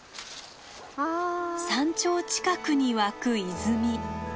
山頂近くに湧く泉。